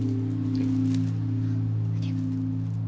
あっありがとう。